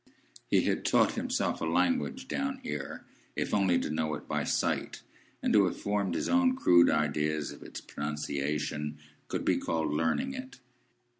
He had taught himself a language down here,—if only to know it by sight, and to have formed his own crude ideas of its pronunciation, could be called learning it.